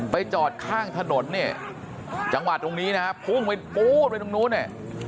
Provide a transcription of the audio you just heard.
ไปจอดข้างถนนเนี่ยจังหวัดตรงนี้นะครับไปตรงนู้นเนี่ย